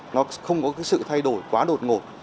nó không có sự thay đổi quá đột ngột